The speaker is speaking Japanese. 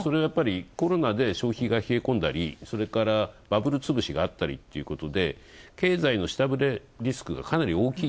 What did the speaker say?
それがやっぱりコロナで消費が冷え込んだり、バブルつぶしがあったりということで経済の下振れリスクがかなり大きい。